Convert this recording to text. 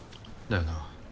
だよな。